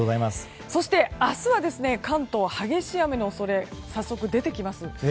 そして、明日は関東激しい雨の恐れが早速、出てきます。